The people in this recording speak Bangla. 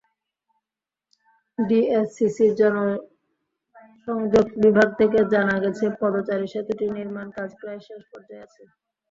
ডিএসসিসির জনসংযোগ বিভাগ থেকে জানা গেছে, পদচারী-সেতুটির নির্মাণকাজ প্রায় শেষ পর্যায়ে আছে।